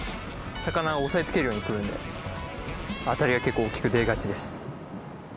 魚は押さえつけるように食うんでアタリは結構大きく出がちです